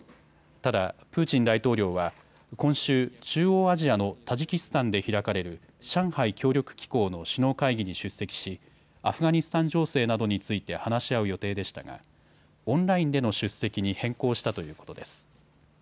ただ、プーチン大統領は今週、中央アジアのタジキスタンで開かれる上海協力機構の首脳会議に出席しアフガニスタン情勢などについて話し合う予定でしたがオンラインでの出席に変更したということです。